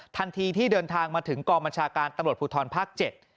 ทันทีที่เดินทางมาถึงกองบัญชาการตำรวจภูทรภาค๗